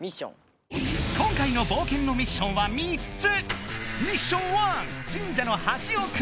今回の冒険のミッションは３つ。